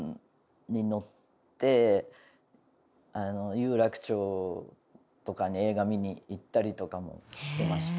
有楽町とかに映画見に行ったりとかもしてました。